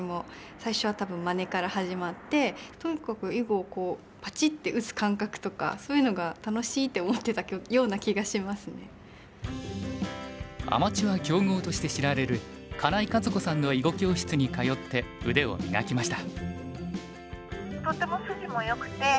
最初は多分まねから始まってとにかく囲碁をアマチュア強豪として知られる金井和子さんの囲碁教室に通って腕を磨きました。